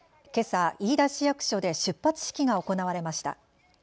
けさ飯田市役所で出発式が行われました。